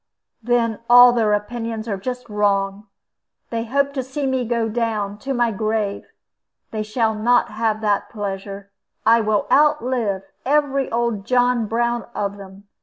"Then all their opinions are just wrong. They hope to see me go down, to my grave. They shall not have that pleasure. I will outlive every old John Brown of them.